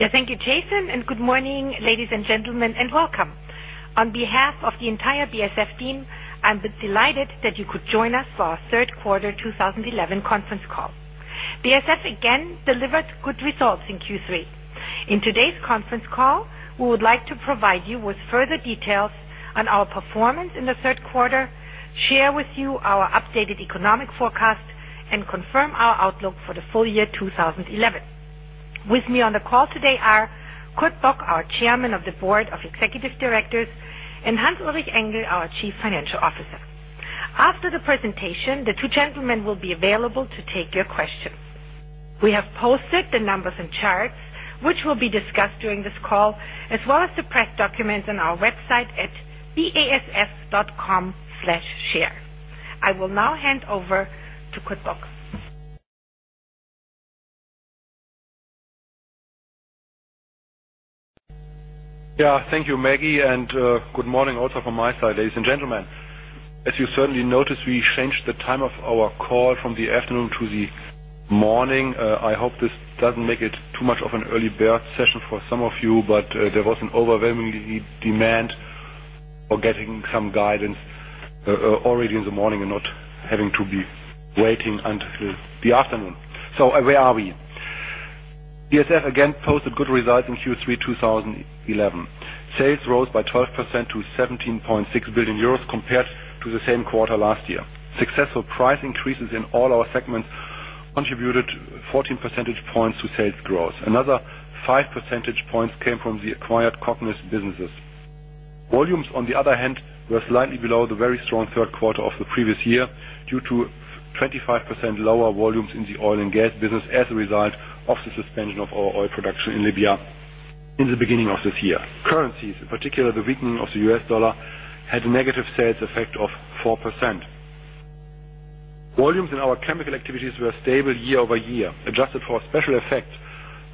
Yeah. Thank you, Jason, and good morning, ladies and gentlemen, and welcome. On behalf of the entire BASF team, I'm delighted that you could join us for our third quarter 2011 conference call. BASF again delivered good results in Q3. In today's conference call, we would like to provide you with further details on our performance in the third quarter, share with you our updated economic forecast, and confirm our outlook for the full year 2011. With me on the call today are Kurt Bock, our Chairman of the Board of Executive Directors, and Hans-Ulrich Engel, our Chief Financial Officer. After the presentation, the two gentlemen will be available to take your questions. We have posted the numbers and charts which will be discussed during this call, as well as the press documents on our website at basf.com/share. I will now hand over to Kurt Bock. Yeah. Thank you, Maggie, and good morning also from my side, ladies and gentlemen. As you certainly noticed, we changed the time of our call from the afternoon to the morning. I hope this doesn't make it too much of an early bird session for some of you, but there was an overwhelming demand for getting some guidance already in the morning and not having to be waiting until the afternoon. Where are we? BASF again posted good results in Q3 2011. Sales rose by 12% to 17.6 billion euros compared to the same quarter last year. Successful price increases in all our segments contributed 14 percentage points to sales growth. Another five percentage points came from the acquired Cognis businesses. Volumes, on the other hand, were slightly below the very strong third quarter of the previous year, due to 25% lower volumes in the oil and gas business as a result of the suspension of our oil production in Libya in the beginning of this year. Currencies, in particular, the weakening of the US dollar, had a negative sales effect of 4%. Volumes in our chemical activities were stable year-over-year, adjusted for a special effect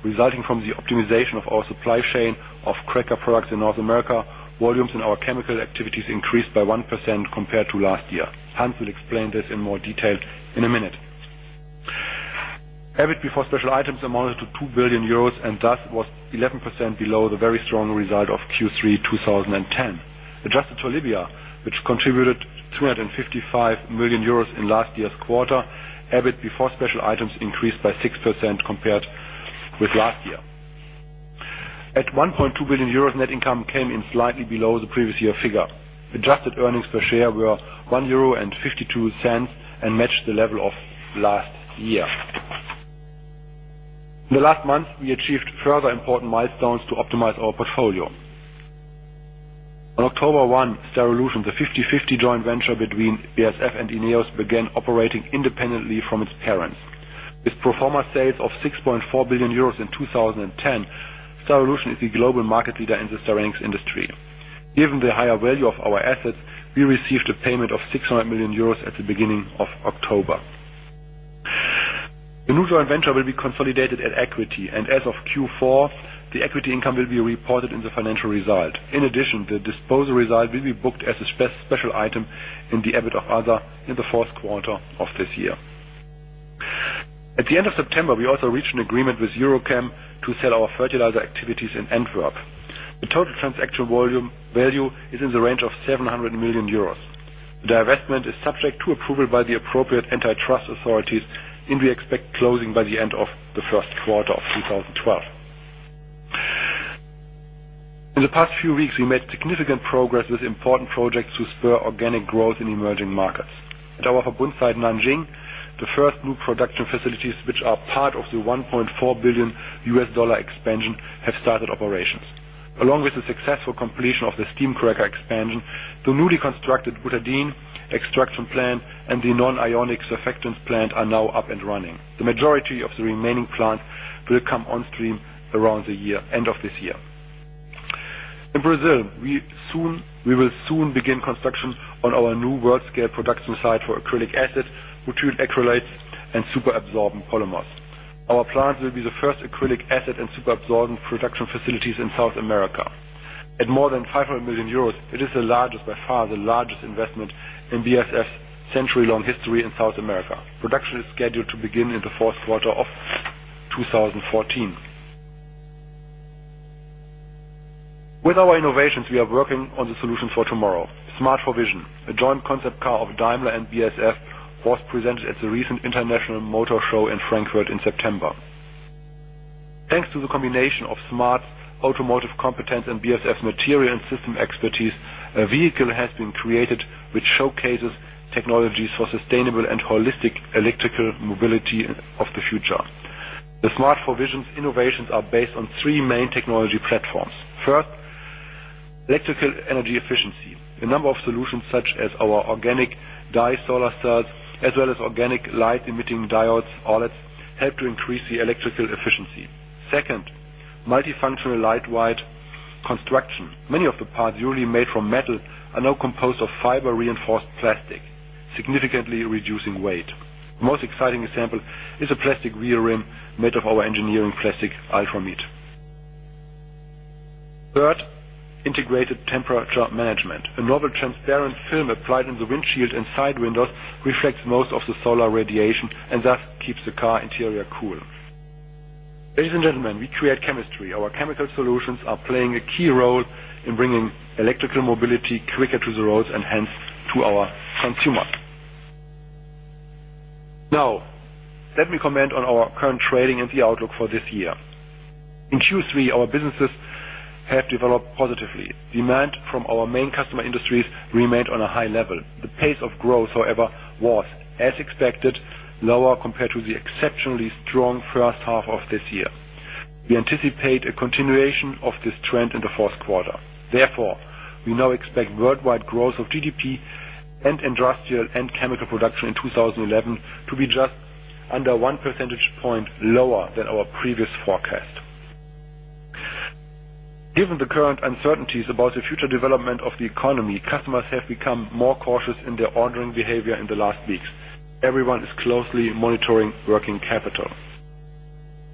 resulting from the optimization of our supply chain of cracker products in North America. Volumes in our chemical activities increased by 1% compared to last year. Hans will explain this in more detail in a minute. EBIT before special items amounted to 2 billion euros, and thus was 11% below the very strong result of Q3 2010. Adjusted to Libya, which contributed 255 million euros in last year's quarter, EBIT before special items increased by 6% compared with last year. At 1.2 billion euros, net income came in slightly below the previous year figure. Adjusted earnings per share were 1.52 euro and matched the level of last year. In the last month, we achieved further important milestones to optimize our portfolio. On October 1, Styrolution, the 50/50 joint venture between BASF and INEOS, began operating independently from its parents. With pro forma sales of 6.4 billion euros in 2010, Styrolution is the global market leader in the styrenics industry. Given the higher value of our assets, we received a payment of 600 million euros at the beginning of October. The new joint venture will be consolidated at equity, and as of Q4, the equity income will be reported in the financial result. In addition, the disposal result will be booked as a special item in the EBIT of Other in the fourth quarter of this year. At the end of September, we also reached an agreement with EuroChem to sell our fertilizer activities in Antwerp. The total transaction value is in the range of 700 million euros. The divestment is subject to approval by the appropriate antitrust authorities, and we expect closing by the end of the first quarter of 2012. In the past few weeks, we made significant progress with important projects to spur organic growth in emerging markets. At our Verbund site in Nanjing, the first new production facilities, which are part of the $1.4 billion expansion, have started operations. Along with the successful completion of the steam cracker expansion, the newly constructed butadiene extraction plant and the non-ionic surfactants plant are now up and running. The majority of the remaining plants will come on stream around year-end of this year. In Brazil, we will soon begin construction on our new world-scale production site for acrylic acid, butyl acrylates, and superabsorbent polymers. Our plants will be the first acrylic acid and superabsorbent production facilities in South America. At more than 500 million euros, it is the largest, by far, the largest investment in BASF's century-long history in South America. Production is scheduled to begin in the fourth quarter of 2014. With our innovations, we are working on the solutions for tomorrow. smart forvision, a joint concept car of Daimler and BASF, was presented at the recent International Motor Show in Frankfurt in September. Thanks to the combination of smart automotive competence and BASF material and system expertise, a vehicle has been created which showcases technologies for sustainable and holistic electrical mobility of the future. The smart forvision's innovations are based on three main technology platforms. First, electrical energy efficiency. A number of solutions, such as our organic dye solar cells, as well as organic light-emitting diodes, OLEDs, help to increase the electrical efficiency. Second, multifunctional lightweight construction. Many of the parts usually made from metal are now composed of fiber-reinforced plastic, significantly reducing weight. The most exciting example is a plastic rear rim made of our engineering plastic, Ultramid. Third, integrated temperature management. A novel transparent film applied in the windshield and side windows reflects most of the solar radiation and thus keeps the car interior cool. Ladies and gentlemen, we create chemistry. Our chemical solutions are playing a key role in bringing electrical mobility quicker to the roads and hence to our consumers. Now, let me comment on our current trading and the outlook for this year. In Q3, our businesses have developed positively. Demand from our main customer industries remained on a high level. The pace of growth, however, was, as expected, lower compared to the exceptionally strong first half of this year. We anticipate a continuation of this trend in the fourth quarter. Therefore, we now expect worldwide growth of GDP and industrial and chemical production in 2011 to be just under one percentage point lower than our previous forecast. Given the current uncertainties about the future development of the economy, customers have become more cautious in their ordering behavior in the last weeks. Everyone is closely monitoring working capital.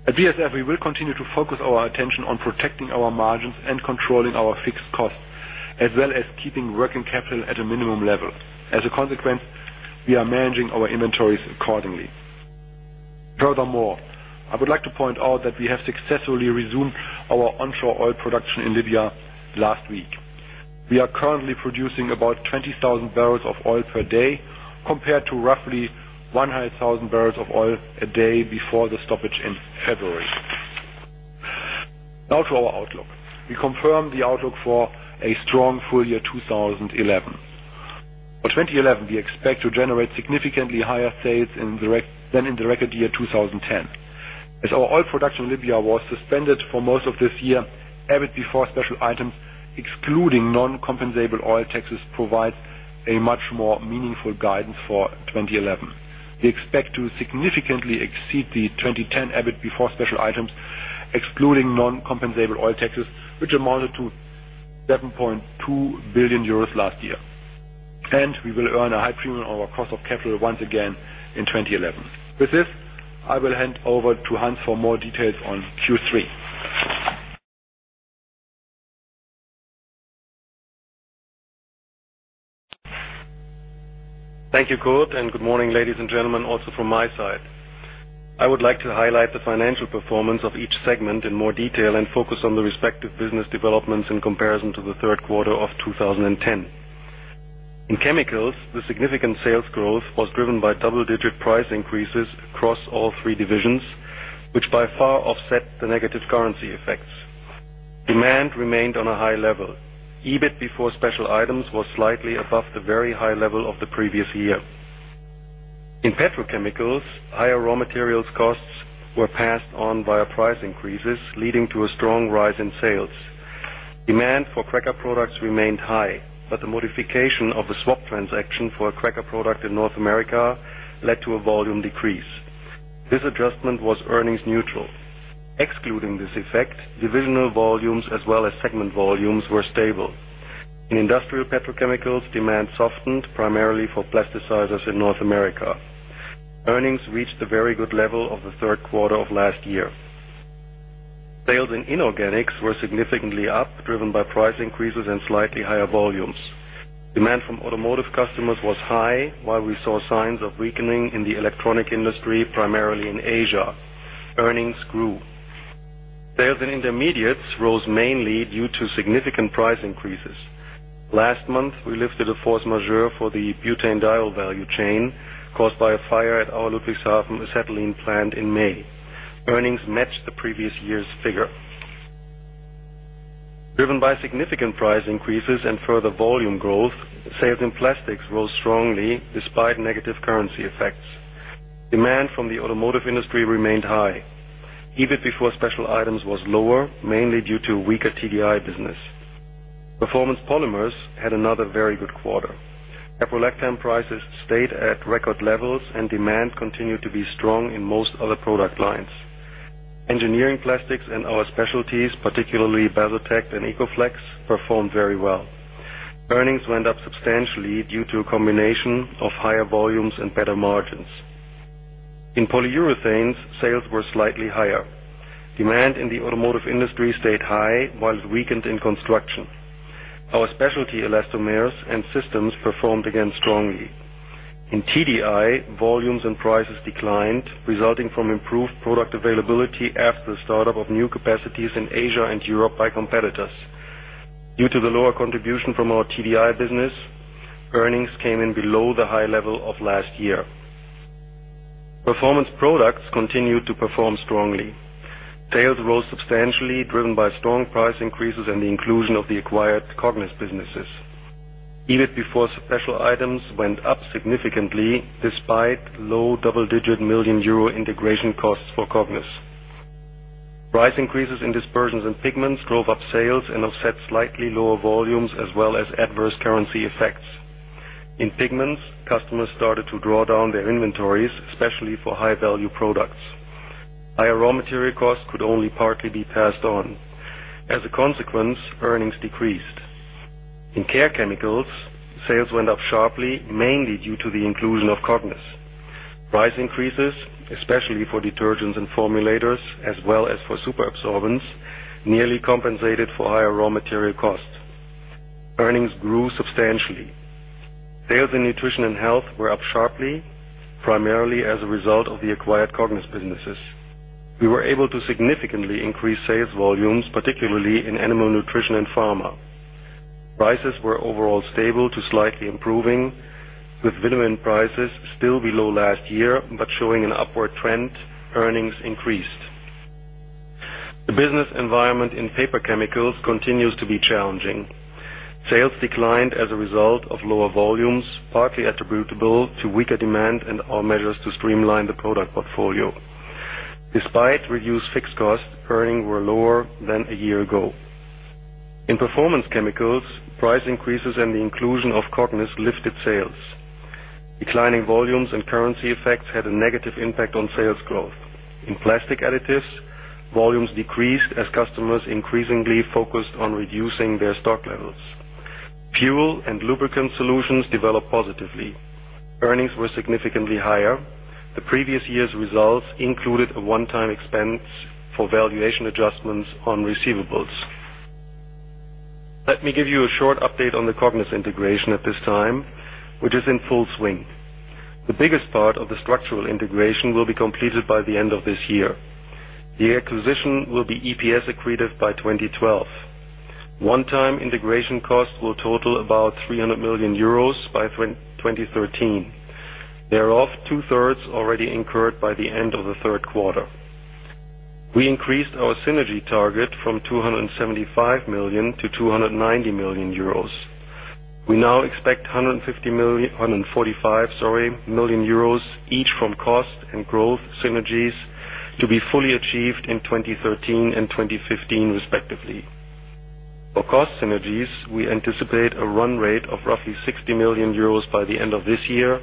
At BASF, we will continue to focus our attention on protecting our margins and controlling our fixed costs, as well as keeping working capital at a minimum level. As a consequence, we are managing our inventories accordingly. Furthermore, I would like to point out that we have successfully resumed our onshore oil production in Libya last week. We are currently producing about 20,000 bbl of oil per day, compared to roughly 100,000 bbl of oil a day before the stoppage in February. Now to our outlook. We confirm the outlook for a strong full year 2011. For 2011, we expect to generate significantly higher sales than in the record year, 2010. As our oil production in Libya was suspended for most of this year, EBIT before special items, excluding non-compensable oil taxes, provides a much more meaningful guidance for 2011. We expect to significantly exceed the 2010 EBIT before special items, excluding non-compensable oil taxes, which amounted to 7.2 billion euros last year. We will earn a high premium on our cost of capital once again in 2011. With this, I will hand over to Hans for more details on Q3. Thank you, Kurt, and good morning, ladies and gentlemen, also from my side. I would like to highlight the financial performance of each segment in more detail and focus on the respective business developments in comparison to the third quarter of 2010. In Chemicals, the significant sales growth was driven by double-digit price increases across all three divisions, which by far offset the negative currency effects. Demand remained on a high level. EBIT before special items was slightly above the very high level of the previous year. In Petrochemicals, higher raw materials costs were passed on via price increases, leading to a strong rise in sales. Demand for cracker products remained high, but the modification of the swap transaction for a cracker product in North America led to a volume decrease. This adjustment was earnings neutral. Excluding this effect, divisional volumes as well as segment volumes were stable. In Industrial Petrochemicals, demand softened primarily for plasticizers in North America. Earnings reached the very good level of the third quarter of last year. Sales in Inorganics were significantly up, driven by price increases and slightly higher volumes. Demand from automotive customers was high, while we saw signs of weakening in the electronics industry, primarily in Asia. Earnings grew. Sales in Intermediates rose mainly due to significant price increases. Last month, we lifted a force majeure for the butanediol value chain caused by a fire at our Ludwigshafen acetylene plant in May. Earnings matched the previous year's figure. Driven by significant price increases and further volume growth, sales in Plastics rose strongly despite negative currency effects. Demand from the automotive industry remained high. EBIT before special items was lower, mainly due to weaker TDI business. Performance Polymers had another very good quarter. Caprolactam prices stayed at record levels and demand continued to be strong in most other product lines. Engineering Plastics and our specialties, particularly Basotect and Ecoflex, performed very well. Earnings went up substantially due to a combination of higher volumes and better margins. In Polyurethanes, sales were slightly higher. Demand in the automotive industry stayed high while it weakened in construction. Our specialty elastomers and systems performed again strongly. In TDI, volumes and prices declined, resulting from improved product availability after the start-up of new capacities in Asia and Europe by competitors. Due to the lower contribution from our TDI business, earnings came in below the high level of last year. Performance Products continued to perform strongly. Sales rose substantially, driven by strong price increases and the inclusion of the acquired Cognis businesses. EBIT before special items went up significantly despite low double-digit million EUR integration costs for Cognis. Price increases in Dispersions and Pigments drove up sales and offset slightly lower volumes as well as adverse currency effects. In Pigments, customers started to draw down their inventories, especially for high-value products. Higher raw material costs could only partly be passed on. As a consequence, earnings decreased. In Care Chemicals, sales went up sharply, mainly due to the inclusion of Cognis. Price increases, especially for detergents and formulators, as well as for superabsorbents, nearly compensated for higher raw material costs. Earnings grew substantially. Sales in Nutrition and Health were up sharply, primarily as a result of the acquired Cognis businesses. We were able to significantly increase sales volumes, particularly in animal nutrition and pharma. Prices were overall stable to slightly improving, with vitamin prices still below last year but showing an upward trend. Earnings increased. The business environment in paper chemicals continues to be challenging. Sales declined as a result of lower volumes, partly attributable to weaker demand and our measures to streamline the product portfolio. Despite reduced fixed costs, earnings were lower than a year ago. In performance chemicals, price increases and the inclusion of Cognis lifted sales. Declining volumes and currency effects had a negative impact on sales growth. In plastic additives, volumes decreased as customers increasingly focused on reducing their stock levels. Fuel and lubricant solutions developed positively. Earnings were significantly higher. The previous year's results included a one-time expense for valuation adjustments on receivables. Let me give you a short update on the Cognis integration at this time, which is in full swing. The biggest part of the structural integration will be completed by the end of this year. The acquisition will be EPS accretive by 2012. One-time integration costs will total about 300 million euros by 2013. Thereof, two-thirds already incurred by the end of the third quarter. We increased our synergy target from 275 million to 290 million euros. We now expect 145 million euros, each from cost and growth synergies to be fully achieved in 2013 and 2015, respectively. For cost synergies, we anticipate a run rate of roughly 60 million euros by the end of this year,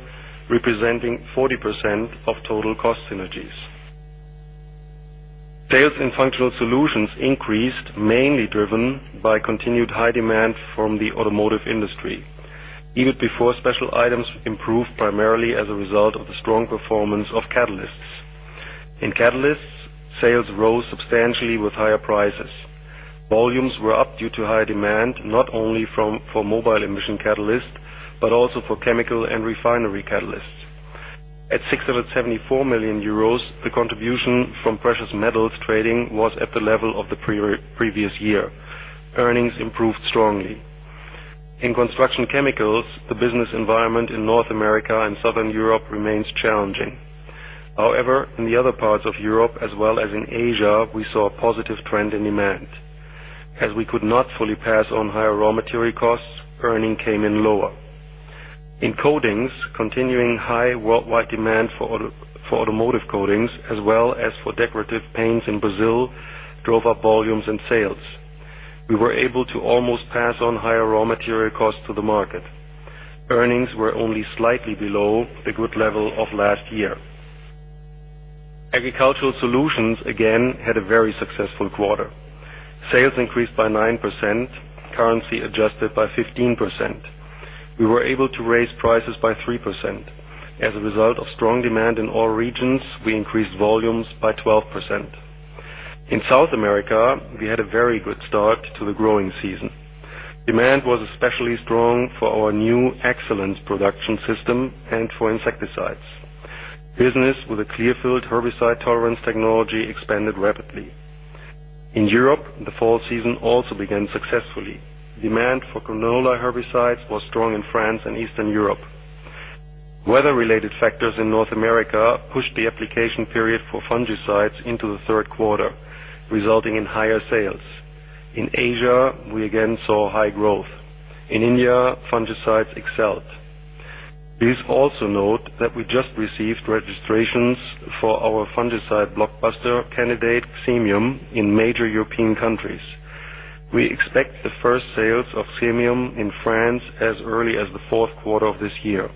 representing 40% of total cost synergies. Sales in functional solutions increased, mainly driven by continued high demand from the automotive industry. EBIT before special items improved primarily as a result of the strong performance of Catalysts. In Catalysts, sales rose substantially with higher prices. Volumes were up due to high demand, not only for mobile emission catalysts, but also for chemical and refinery catalysts. At 674 million euros, the contribution from precious metals trading was at the level of the previous year. Earnings improved strongly. In Construction Chemicals, the business environment in North America and Southern Europe remains challenging. However, in the other parts of Europe, as well as in Asia, we saw a positive trend in demand. As we could not fully pass on higher raw material costs, earnings came in lower. In Coatings, continuing high worldwide demand for automotive coatings, as well as for decorative paints in Brazil, drove up volumes and sales. We were able to almost pass on higher raw material costs to the market. Earnings were only slightly below the good level of last year. Agricultural Solutions, again, had a very successful quarter. Sales increased by 9%, currency-adjusted by 15%. We were able to raise prices by 3%. As a result of strong demand in all regions, we increased volumes by 12%. In South America, we had a very good start to the growing season. Demand was especially strong for our new AgCelence production system and for insecticides. Business with Clearfield herbicide tolerance technology expanded rapidly. In Europe, the fall season also began successfully. Demand for canola herbicides was strong in France and Eastern Europe. Weather-related factors in North America pushed the application period for fungicides into the third quarter, resulting in higher sales. In Asia, we again saw high growth. In India, fungicides excelled. Please also note that we just received registrations for our fungicide blockbuster candidate, Xemium, in major European countries. We expect the first sales of Xemium in France as early as the fourth quarter of this year.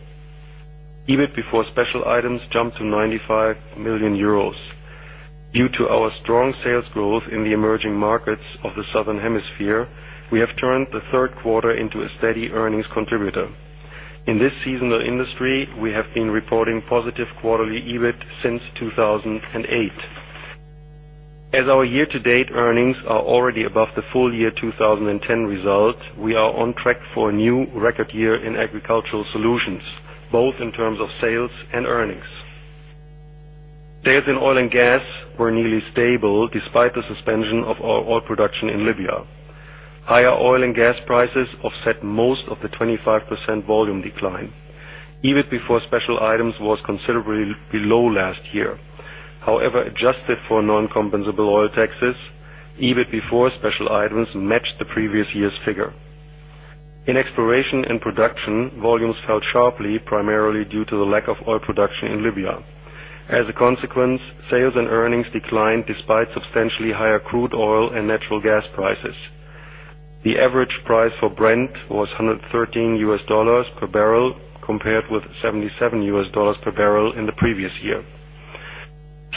EBIT before special items jumped to 95 million euros. Due to our strong sales growth in the emerging markets of the Southern Hemisphere, we have turned the third quarter into a steady earnings contributor. In this seasonal industry, we have been reporting positive quarterly EBIT since 2008. As our year-to-date earnings are already above the full year 2010 result, we are on track for a new record year in Agricultural Solutions, both in terms of sales and earnings. Sales in oil and gas were nearly stable despite the suspension of our oil production in Libya. Higher oil and gas prices offset most of the 25% volume decline. EBIT before special items was considerably below last year. However, adjusted for non-compensable oil taxes, EBIT before special items matched the previous year's figure. In exploration and production, volumes fell sharply, primarily due to the lack of oil production in Libya. As a consequence, sales and earnings declined despite substantially higher crude oil and natural gas prices. The average price for Brent was $113 per bbl, compared with $77 per bbl in the previous year.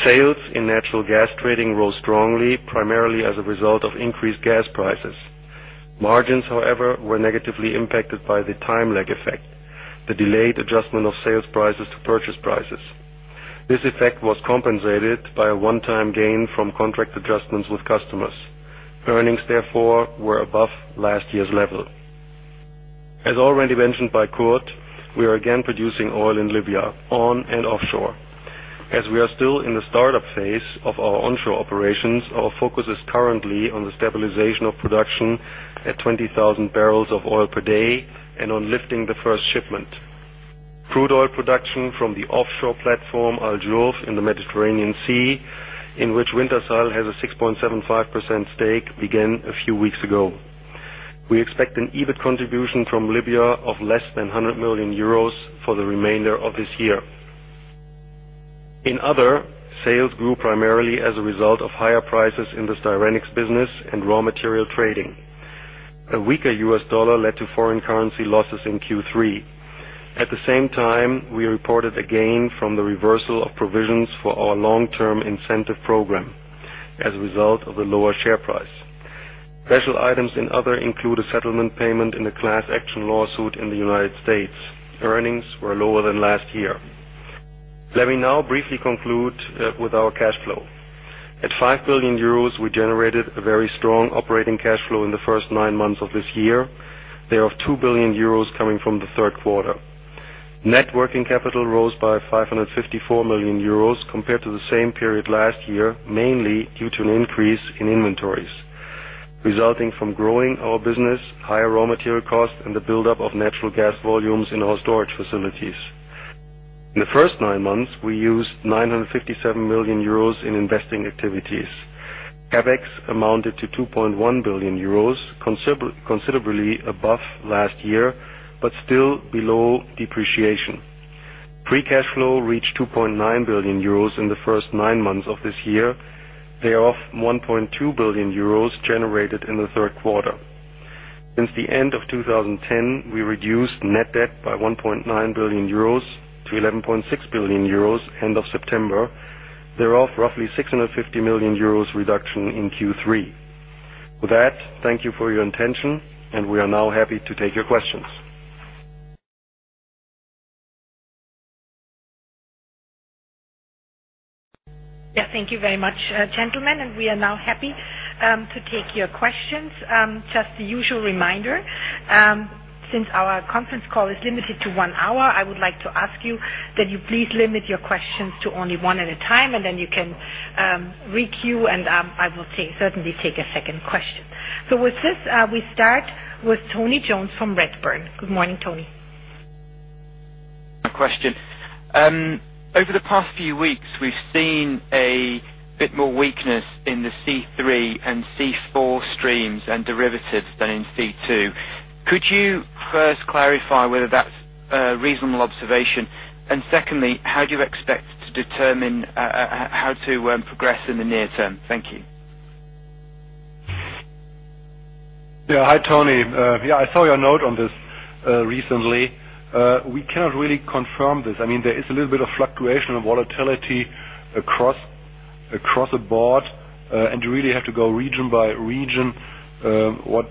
Sales in natural gas trading rose strongly, primarily as a result of increased gas prices. Margins, however, were negatively impacted by the time lag effect, the delayed adjustment of sales prices to purchase prices. This effect was compensated by a one-time gain from contract adjustments with customers. Earnings, therefore, were above last year's level. As already mentioned by Kurt, we are again producing oil in Libya, on and offshore. As we are still in the startup phase of our onshore operations, our focus is currently on the stabilization of production at 20,000 bbl of oil per day and on lifting the first shipment. Crude oil production from the offshore platform Al Jurf in the Mediterranean Sea, in which Wintershall has a 6.75% stake, began a few weeks ago. We expect an EBIT contribution from Libya of less than 100 million euros for the remainder of this year. In other, sales grew primarily as a result of higher prices in the styrenics business and raw material trading. A weaker U.S. dollar led to foreign currency losses in Q3. At the same time, we reported a gain from the reversal of provisions for our long-term incentive program as a result of the lower share price. Special items in Other include a settlement payment in a class action lawsuit in the United States. Earnings were lower than last year. Let me now briefly conclude with our cash flow. At 5 billion euros, we generated a very strong operating cash flow in the first nine months of this year. They have 2 billion euros coming from the third quarter. Net working capital rose by 554 million euros compared to the same period last year, mainly due to an increase in inventories, resulting from growing our business, higher raw material costs, and the buildup of natural gas volumes in our storage facilities. In the first nine months, we used 957 million euros in investing activities. CapEx amounted to 2.1 billion euros, considerably above last year, but still below depreciation. Free cash flow reached 2.9 billion euros in the first nine months of this year. They have 1.2 billion euros generated in the third quarter. Since the end of 2010, we reduced net debt by 1.9 billion-11.6 billion euros end of September. Thereof, roughly 650 million euros reduction in Q3. With that, thank you for your attention, and we are now happy to take your questions. Yeah. Thank you very much, gentlemen, and we are now happy to take your questions. Just the usual reminder, since our conference call is limited to one hour, I would like to ask you that you please limit your questions to only one at a time, and then you can re-queue, and I will certainly take a second question. With this, we start with Tony Jones from Redburn. Good morning, Tony. Over the past few weeks, we've seen a bit more weakness in the C3 and C4 streams and derivatives than in C2. Could you first clarify whether that's a reasonable observation? Secondly, how do you expect to determine how to progress in the near term? Thank you. Yeah. Hi, Tony. I saw your note on this recently. We cannot really confirm this. I mean, there is a little bit of fluctuation and volatility across the board, and you really have to go region by region. What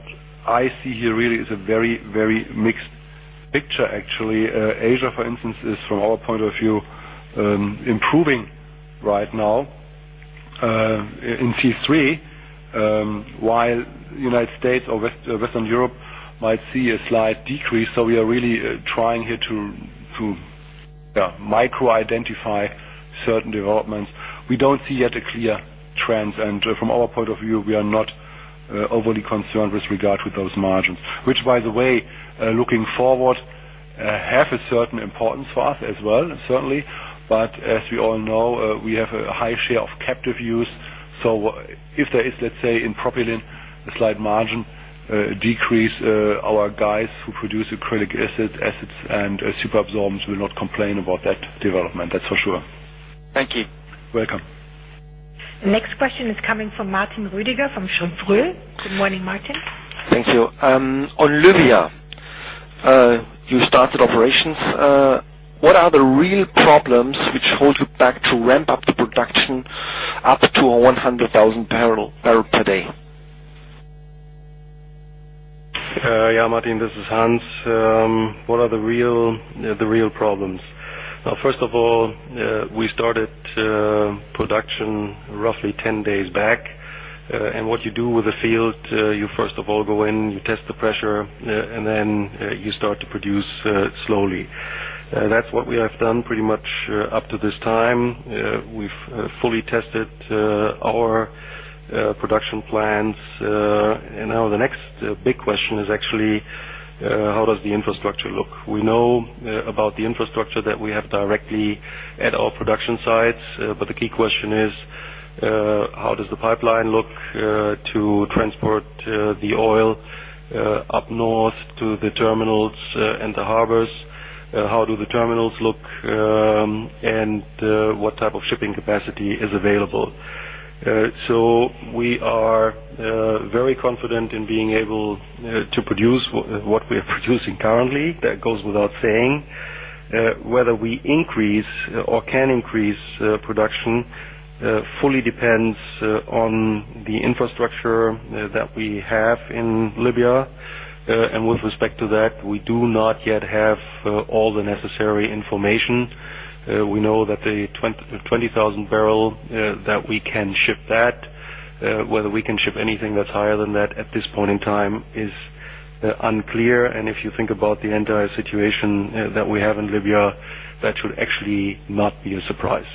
I see here really is a very, very mixed picture, actually. Asia, for instance, is from our point of view improving right now in C3, while United States or Western Europe might see a slight decrease. We are really trying here to micro identify certain developments. We don't see yet a clear trend, and from our point of view, we are not overly concerned with regard to those margins. Which, by the way, looking forward, have a certain importance for us as well, certainly. As we all know, we have a high share of captive use. If there is, let's say, in propylene, a slight margin decrease, our guys who produce acrylic acid, acids and superabsorbents will not complain about that development, that's for sure. Thank you. Welcome. The next question is coming from Martin Roediger from Cheuvreux. Good morning, Martin. Thank you. On Libya, you started operations. What are the real problems which hold you back to ramp up the production up to 100,000 bbl per day? Yeah, Martin, this is Hans. What are the real problems? First of all, we started production roughly 10 days back. What you do with the field, you first of all go in, you test the pressure, and then you start to produce slowly. That's what we have done pretty much up to this time. We've fully tested our production plans. Now the next big question is actually how does the infrastructure look? We know about the infrastructure that we have directly at our production sites, but the key question is how does the pipeline look to transport the oil up north to the terminals and the harbors? How do the terminals look, and what type of shipping capacity is available? We are very confident in being able to produce what we are producing currently. That goes without saying. Whether we increase or can increase production fully depends on the infrastructure that we have in Libya. With respect to that, we do not yet have all the necessary information. We know that the 20,000 bbl that we can ship. Whether we can ship anything that's higher than that at this point in time is unclear. If you think about the entire situation that we have in Libya, that should actually not be a surprise.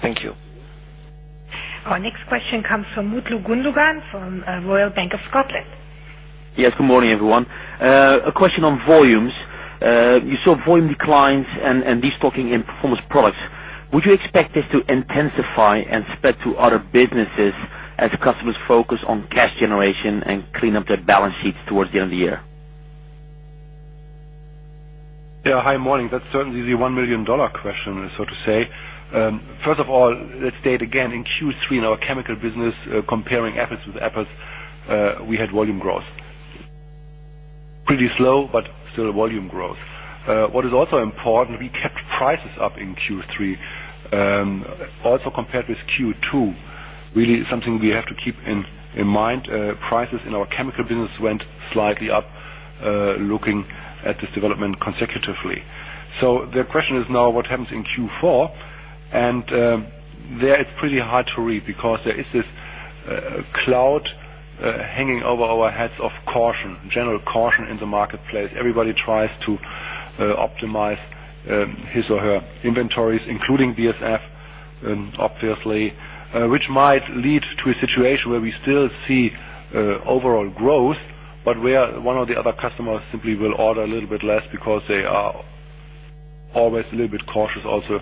Thank you. Our next question comes from Mutlu Gundogan from Royal Bank of Scotland. Yes. Good morning, everyone. A question on volumes. You saw volume declines and destocking in performance products. Would you expect this to intensify and spread to other businesses as customers focus on cash generation and clean up their balance sheets towards the end of the year? Hi. Morning. That's certainly the $1 million question, so to say. First of all, let's state again, in Q3, in our chemical business, comparing apples with apples, we had volume growth. Pretty slow, but still volume growth. What is also important, we kept prices up in Q3, also compared with Q2, really something we have to keep in mind. Prices in our chemical business went slightly up, looking at this development consecutively. The question is now what happens in Q4, and there it's pretty hard to read because there is this cloud hanging over our heads of caution, general caution in the marketplace. Everybody tries to optimize his or her inventories, including BASF, obviously, which might lead to a situation where we still see overall growth, but where one or the other customers simply will order a little bit less because they are always a little bit cautious also,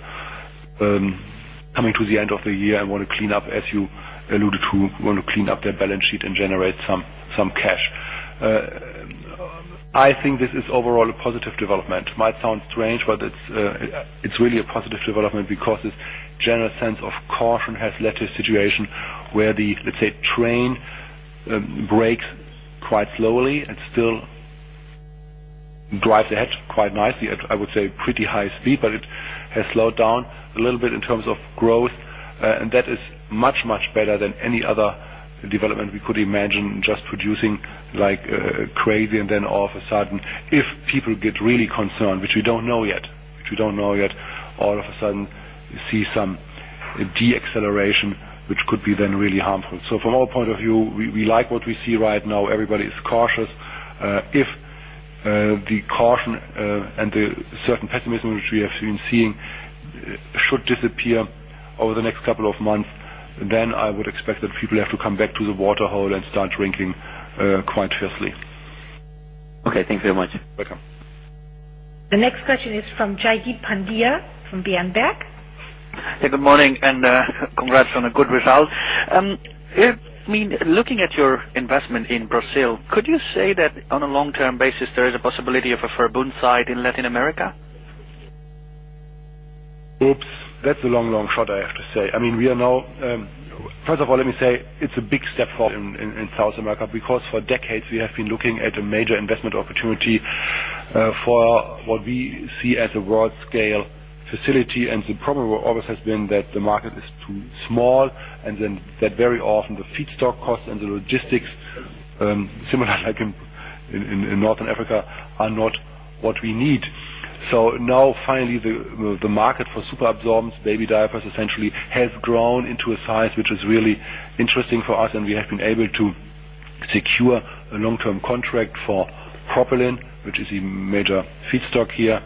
coming to the end of the year and want to clean up, as you alluded to, want to clean up their balance sheet and generate some cash. I think this is overall a positive development. Might sound strange, but it's really a positive development because this general sense of caution has led to a situation where the, let's say, train breaks quite slowly and still drives ahead quite nicely at, I would say, pretty high speed, but it has slowed down a little bit in terms of growth. That is much, much better than any other development we could imagine, just producing like crazy, and then all of a sudden, if people get really concerned, which we don't know yet, all of a sudden you see some deceleration, which could be then really harmful. From our point of view, we like what we see right now. Everybody is cautious. If the caution and the certain pessimism which we have been seeing should disappear over the next couple of months, then I would expect that people have to come back to the water hole and start drinking quite thirstily. Okay. Thank you very much. Welcome. The next question is from Jaideep Pandya from Berenberg. Good morning, and congrats on a good result. I mean, looking at your investment in Brazil, could you say that on a long-term basis, there is a possibility of a Verbund site in Latin America? Oops. That's a long, long shot, I have to say. I mean, first of all, let me say it's a big step for us in South America, because for decades we have been looking at a major investment opportunity for what we see as a world-scale facility. The problem always has been that the market is too small, and then that very often the feedstock costs and the logistics, similar like in Northern Africa, are not what we need. Now finally, the market for superabsorbents, baby diapers, essentially, has grown into a size which is really interesting for us, and we have been able to secure a long-term contract for propylene, which is a major feedstock here.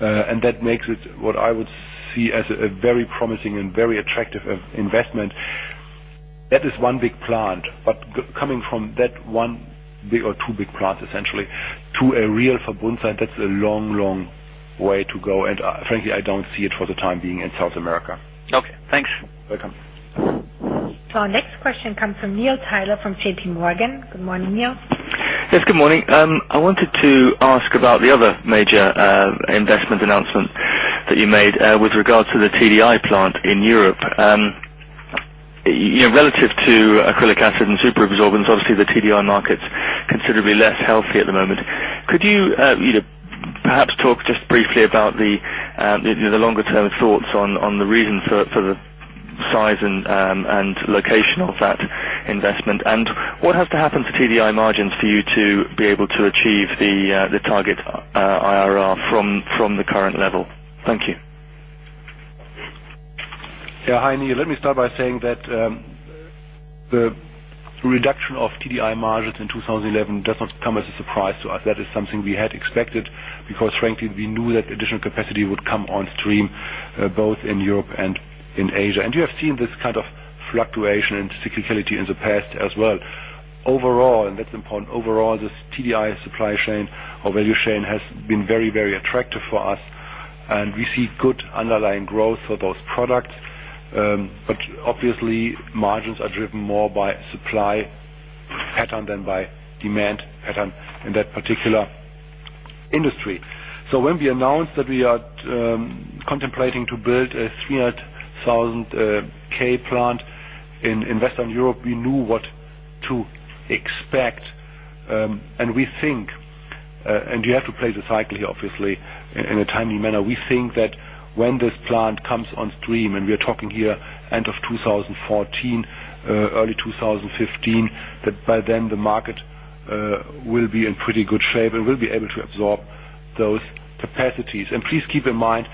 That makes it what I would see as a very promising and very attractive investment. That is one big plant. Coming from that one big or two big plants, essentially, to a real Verbund site, that's a long, long way to go. Frankly, I don't see it for the time being in South America. Okay. Thanks. Welcome. Our next question comes from Neil Tyler from JPMorgan. Good morning, Neil. Yes, good morning. I wanted to ask about the other major investment announcement that you made with regards to the TDI plant in Europe. You know, relative to acrylic acid and superabsorbents, obviously the TDI market's considerably less healthy at the moment. Could you know, perhaps talk just briefly about the longer-term thoughts on the reason for the size and location of that investment? What has to happen to TDI margins for you to be able to achieve the target IRR from the current level? Thank you. Hi, Neil. Let me start by saying that the reduction of TDI margins in 2011 does not come as a surprise to us. That is something we had expected because frankly, we knew that additional capacity would come on stream both in Europe and in Asia. We have seen this kind of fluctuation and cyclicality in the past as well. Overall, that's important, this TDI supply chain or value chain has been very, very attractive for us, and we see good underlying growth for those products. Obviously margins are driven more by supply pattern than by demand pattern in that particular industry. When we announced that we are contemplating to build a 300,000-ton plant in Western Europe, we knew what to expect. We think, and you have to play the cycle here, obviously, in a timely manner. We think that when this plant comes on stream, and we are talking here end of 2014, early 2015, that by then the market will be in pretty good shape, and we'll be able to absorb those capacities. Please keep in mind,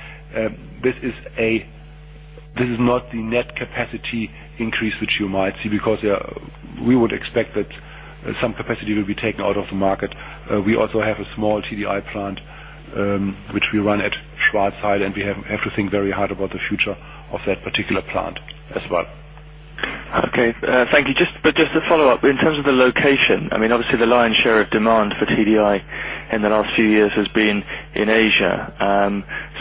this is not the net capacity increase which you might see, because, yeah, we would expect that some capacity will be taken out of the market. We also have a small TDI plant, which we run at Schwarzheide, and we have to think very hard about the future of that particular plant as well. Okay. Thank you. Just to follow up, in terms of the location, I mean, obviously the lion's share of demand for TDI in the last few years has been in Asia.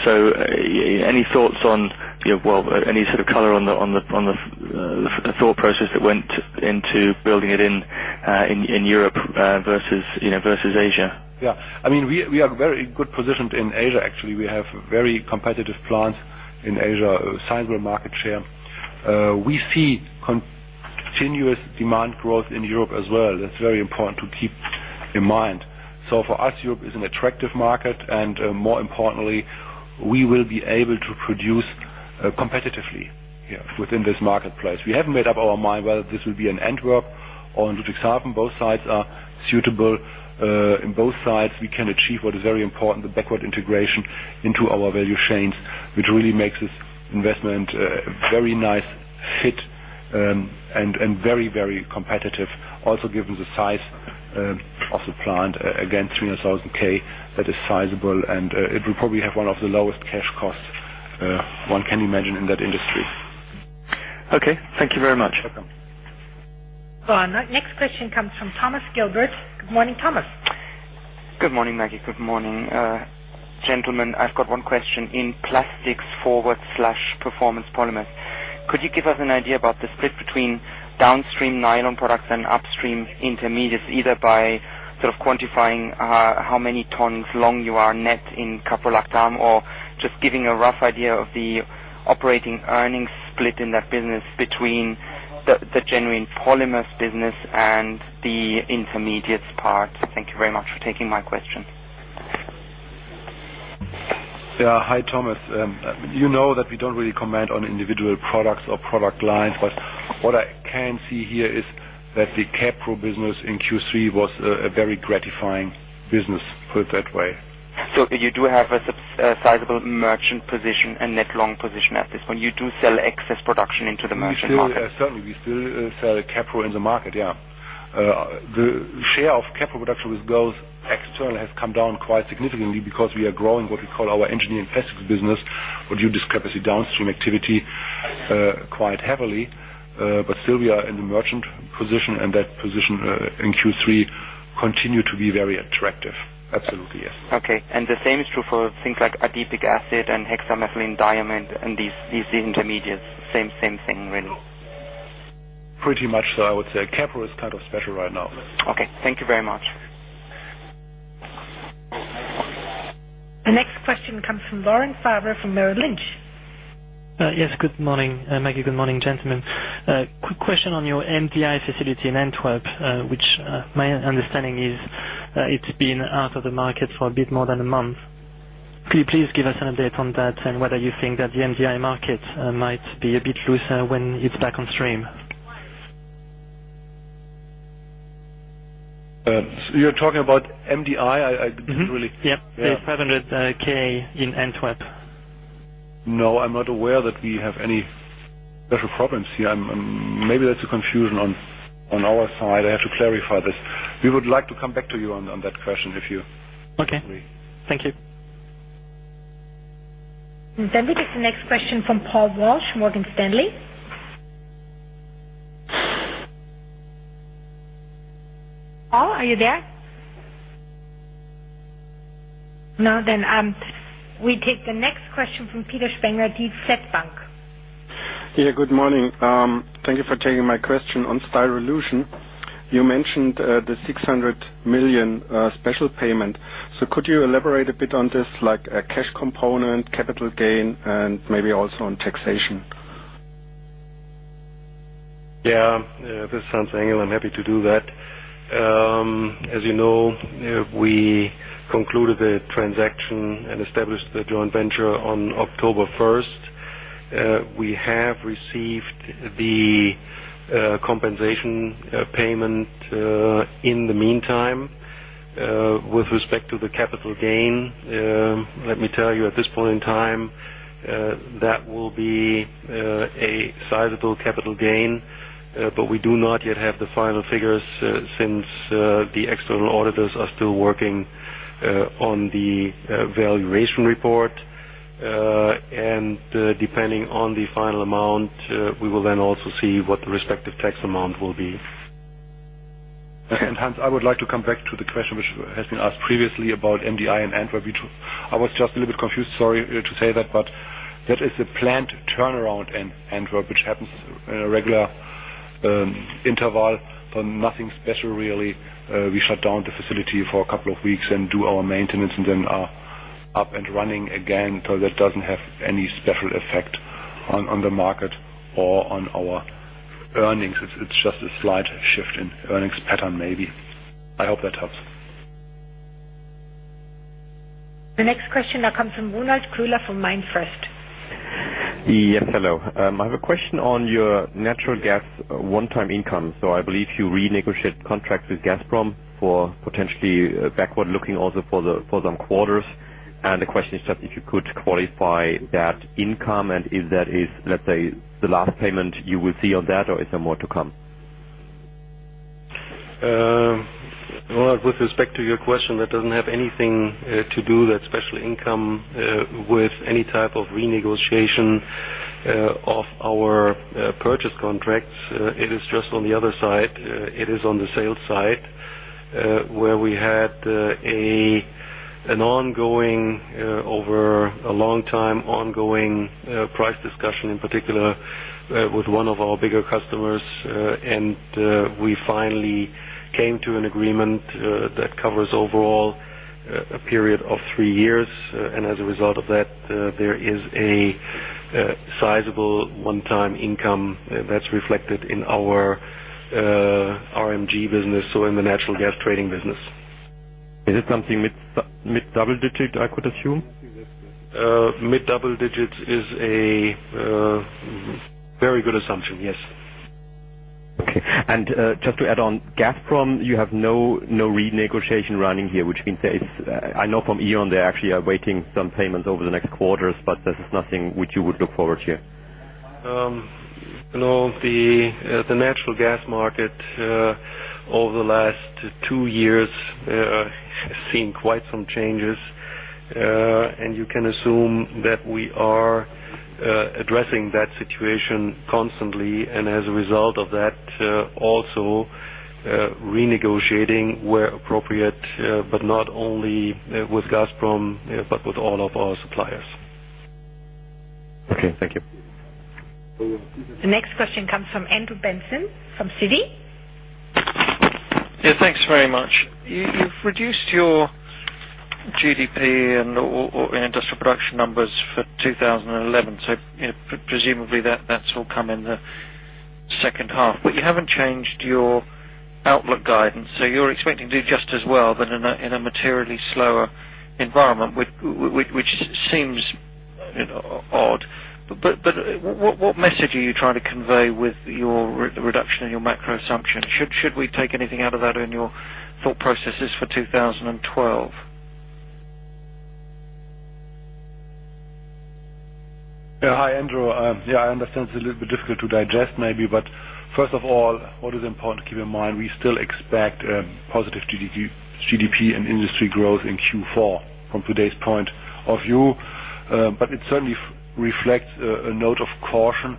Any thoughts on, you know, well, any sort of color on the thought process that went into building it in Europe versus Asia? Yeah. I mean, we are very good positioned in Asia, actually. We have very competitive plants in Asia, a sizable market share. We see continuous demand growth in Europe as well. That's very important to keep in mind. For us, Europe is an attractive market, and, more importantly, we will be able to produce, competitively here within this marketplace. We haven't made up our mind whether this will be in Antwerp or in Ludwigshafen. Both sides are suitable. In both sides, we can achieve what is very important, the backward integration into our value chains, which really makes this investment a very nice fit, and very, very competitive. Given the size of the plant, again, 300,000 K, that is sizable, and it will probably have one of the lowest cash costs one can imagine in that industry. Okay. Thank you very much. Welcome. Go on. Next question comes from Thomas Gilbert. Good morning, Thomas. Good morning, Maggie. Good morning, gentlemen. I've got one question in plastics and performance polymers. Could you give us an idea about the split between downstream nylon products and upstream intermediates, either by sort of quantifying how many tons long you are net in caprolactam or just giving a rough idea of the operating earnings split in that business between the engineering polymers business and the intermediates part? Thank you very much for taking my question. Hi, Thomas. You know that we don't really comment on individual products or product lines, but what I can see here is that the caprolactam business in Q3 was a very gratifying business, put it that way. You do have a sizable merchant position and net long position at this point. You do sell excess production into the merchant market. We still certainly sell Capro in the market, yeah. The share of Capro production with growth external has come down quite significantly because we are growing what we call our engineering plastics business. What you describe as a downstream activity quite heavily, but still we are in the merchant position, and that position in Q3 continued to be very attractive. Absolutely, yes. Okay. The same is true for things like adipic acid and hexamethylene diamine and these intermediates. Same thing really. Pretty much so, I would say. Capro is kind of special right now. Okay. Thank you very much. The next question comes from Laurent Favre from Merrill Lynch. Yes. Good morning, Maggie. Good morning, gentlemen. Quick question on your MDI facility in Antwerp, which, my understanding is, it's been out of the market for a bit more than a month. Could you please give us an update on that and whether you think that the MDI market might be a bit looser when it's back on stream? You're talking about MDI? I didn't really- Mm-hmm. Yep. Yeah. The 500,000 in Antwerp. No, I'm not aware that we have any special problems here. Maybe that's a confusion on our side. I have to clarify this. We would like to come back to you on that question if you. Okay. Agree. Thank you. We take the next question from Paul Walsh, Morgan Stanley. Paul, are you there? No, we take the next question from Peter Spengler, DZ Bank. Good morning. Thank you for taking my question on Styrolution. You mentioned the 600 million special payment. Could you elaborate a bit on this, like a cash component, capital gain, and maybe also on taxation? Yeah. This is Hans Engel. I'm happy to do that. As you know, we concluded the transaction and established the joint venture on October first. We have received the compensation payment in the meantime. With respect to the capital gain, let me tell you at this point in time, that will be a sizable capital gain. But we do not yet have the final figures, since the external auditors are still working on the valuation report. Depending on the final amount, we will then also see what the respective tax amount will be. Hans, I would like to come back to the question which has been asked previously about MDI and Antwerp, which I was just a little bit confused. Sorry to say that, but that is a planned turnaround in Antwerp, which happens on a regular interval for nothing special really. We shut down the facility for a couple of weeks and do our maintenance, and then up and running again. That doesn't have any special effect on the market or on our earnings. It's just a slight shift in earnings pattern, maybe. I hope that helps. The next question now comes from Ronald Köhler from MainFirst. Yes, hello. I have a question on your natural gas one-time income. I believe you renegotiate contracts with Gazprom for potentially backward looking also for some quarters. The question is just if you could qualify that income and if that is, let's say, the last payment you will see on that, or is there more to come? Ronald, with respect to your question, that doesn't have anything to do with that special income with any type of renegotiation of our purchase contracts. It is just on the other side. It is on the sales side where we had an ongoing over a long time price discussion in particular with one of our bigger customers and we finally came to an agreement that covers overall a period of three years. As a result of that, there is a sizable one-time income that's reflected in our WINGAS business, so in the natural gas trading business. Is it something mid-double digit, I could assume? Mid double digits is a very good assumption, yes. Okay. Just to add on, Gazprom, you have no renegotiation running here, which means that it's. I know from E.ON, they actually are waiting some payments over the next quarters, but this is nothing which you would look forward to. No, the natural gas market over the last two years has seen quite some changes. You can assume that we are addressing that situation constantly, and as a result of that, also renegotiating where appropriate, but not only with Gazprom, but with all of our suppliers. Okay, thank you. The next question comes from Andrew Benson from Citi. Yeah, thanks very much. You've reduced your GDP and/or industrial production numbers for 2011, so, you know, presumably that's all come in the second half. You haven't changed your outlook guidance, so you're expecting to do just as well, but in a materially slower environment, which seems, you know, odd. What message are you trying to convey with your reduction in your macro assumption? Should we take anything out of that in your thought processes for 2012? Yeah. Hi, Andrew. Yeah, I understand it's a little bit difficult to digest maybe, but first of all, what is important to keep in mind, we still expect positive GDP and industry growth in Q4 from today's point of view. It certainly reflects a note of caution,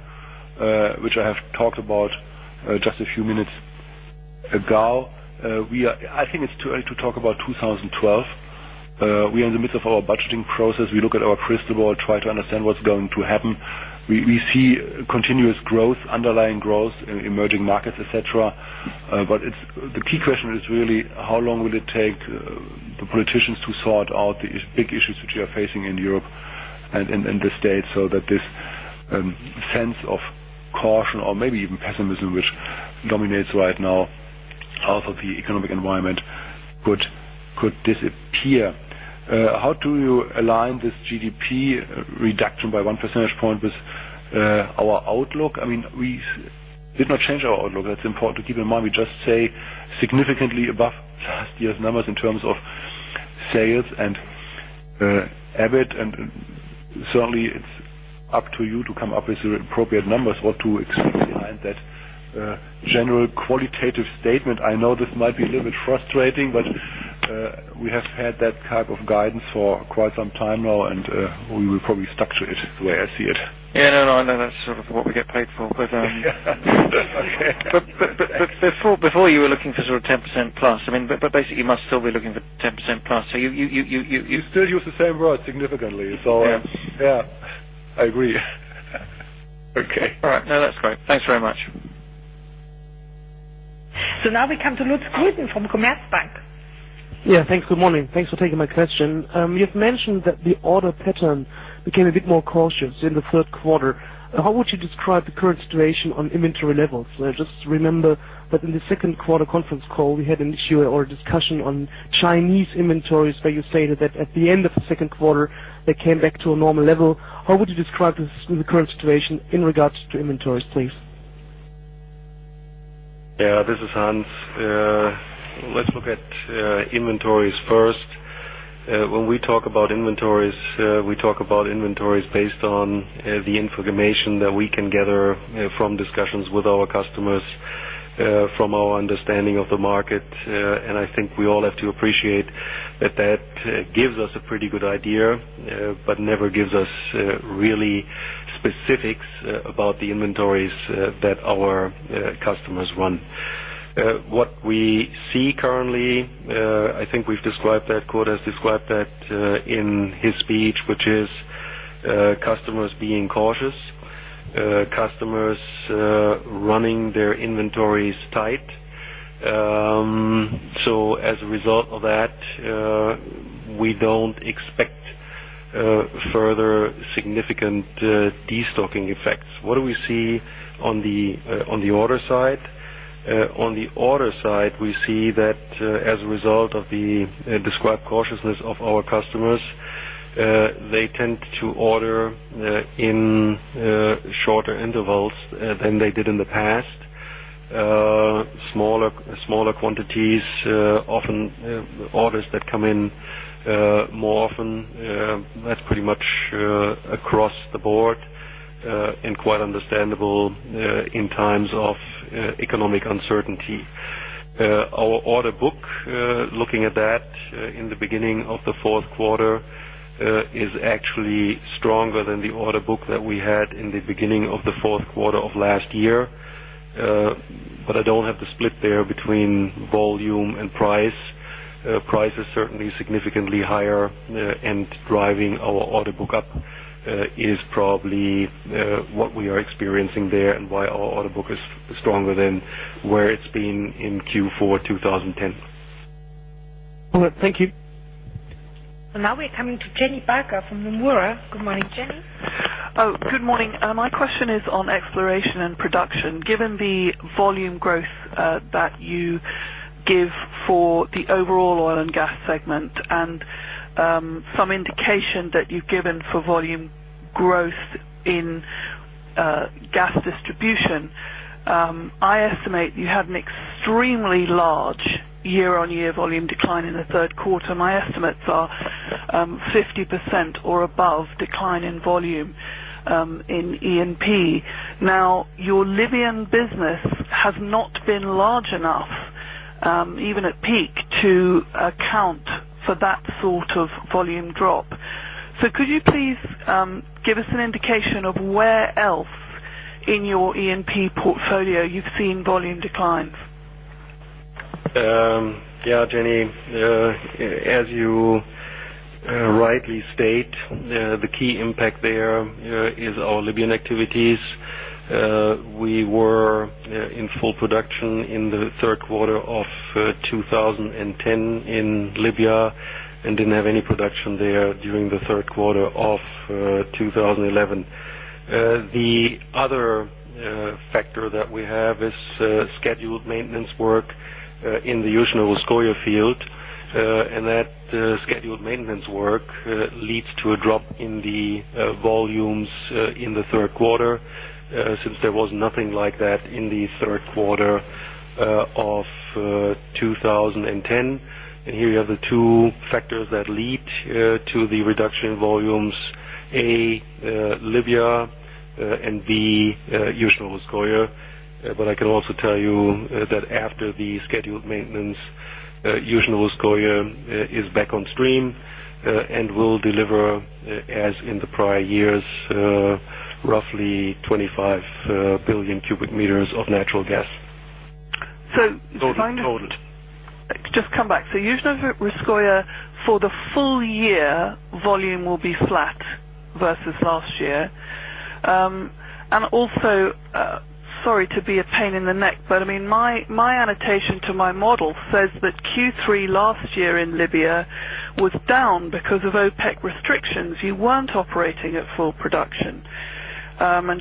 which I have talked about just a few minutes ago. I think it's too early to talk about 2012. We are in the midst of our budgeting process. We look at our crystal ball, try to understand what's going to happen. We see continuous growth, underlying growth in emerging markets, et cetera. It's the key question is really how long will it take the politicians to sort out the big issues which we are facing in Europe and in the States, so that this sense of caution or maybe even pessimism which dominates right now out of the economic environment could disappear. How do you align this GDP reduction by 1 percentage point with our outlook? I mean, we did not change our outlook. That's important to keep in mind. We just say significantly above last year's numbers in terms of sales and EBIT, and certainly it's up to you to come up with the appropriate numbers or to explain what is behind that general qualitative statement. I know this might be a little bit frustrating, but we have had that type of guidance for quite some time now, and we will probably structure it the way I see it. Yeah, no, I know that's sort of what we get paid for. Before you were looking for sort of 10%+. I mean, but basically you must still be looking for 10%+. You We still use the same word significantly. Yeah. Yeah. I agree. Okay. All right. No, that's great. Thanks very much. Now we come to Lutz Grüten from Commerzbank. Yeah. Thanks. Good morning. Thanks for taking my question. You've mentioned that the order pattern became a bit more cautious in the third quarter. How would you describe the current situation on inventory levels? I just remember that in the second quarter conference call, we had an issue or a discussion on Chinese inventories, where you stated that at the end of the second quarter, they came back to a normal level. How would you describe this in the current situation in regards to inventories, please? Yeah. This is Hans. Let's look at inventories first. When we talk about inventories, we talk about inventories based on the information that we can gather, you know, from discussions with our customers, from our understanding of the market. I think we all have to appreciate that that gives us a pretty good idea, but never gives us really specifics about the inventories that our customers run. What we see currently, I think we've described that. Kurt has described that in his speech, which is customers being cautious, running their inventories tight. As a result of that, we don't expect further significant destocking effects. What do we see on the order side? On the order side, we see that as a result of the described cautiousness of our customers, they tend to order in shorter intervals than they did in the past. Smaller quantities, often orders that come in more often. That's pretty much across the board and quite understandable in times of economic uncertainty. Our order book, looking at that, in the beginning of the fourth quarter, is actually stronger than the order book that we had in the beginning of the fourth quarter of last year. I don't have the split there between volume and price. Price is certainly significantly higher, and driving our order book up, is probably what we are experiencing there and why our order book is stronger than where it's been in Q4 2010. All right. Thank you. Now we're coming to Jenny Barker from Nomura. Good morning, Jenny. Oh, good morning. My question is on exploration and production. Given the volume growth that you give for the overall oil and gas segment and some indication that you've given for volume growth in gas distribution, I estimate you have an extremely large year-on-year volume decline in the third quarter. My estimates are 50% or above decline in volume in E&P. Now, your Libyan business has not been large enough, even at peak, to account for that sort of volume drop. Could you please give us an indication of where else in your E&P portfolio you've seen volume declines? Jenny, as you rightly state, the key impact there is our Libyan activities. We were in full production in the third quarter of 2010 in Libya and didn't have any production there during the third quarter of 2011. The other factor that we have is scheduled maintenance work in the Yuzhno-Russkoye field, and that scheduled maintenance work leads to a drop in the volumes in the third quarter, since there was nothing like that in the third quarter of 2010. Here you have the two factors that lead to the reduction in volumes, A, Libya, and B, Yuzhno-Russkoye. I can also tell you that after the scheduled maintenance, Yuzhno-Russkoye is back on stream and will deliver, as in the prior years, roughly 25 billion cubic meters of natural gas. So- Total. Just come back. Yuzhno-Russkoye, for the full year, volume will be flat versus last year. Also, sorry to be a pain in the neck, but I mean, my annotation to my model says that Q3 last year in Libya was down because of OPEC restrictions. You weren't operating at full production.